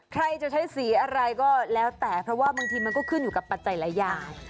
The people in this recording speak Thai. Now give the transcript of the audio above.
ใครจะใช้สีอะไรก็แล้วแต่เพราะว่าบางทีมันก็ขึ้นอยู่กับปัจจัยหลายอย่าง